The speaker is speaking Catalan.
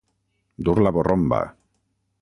Dur la borromba.